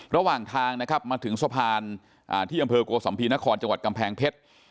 ระหว่างทางนะครับมาถึงสะพานที่อำเภอโกสัมภีนครจังหวัดกำแพงเพชร